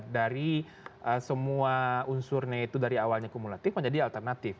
dari semua unsurnya itu dari awalnya kumulatif menjadi alternatif